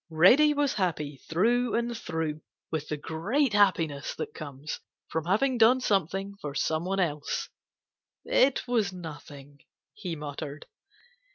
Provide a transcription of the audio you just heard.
Reddy was happy through and through with the great happiness that comes from having done something for some one else. "It was nothing," he muttered.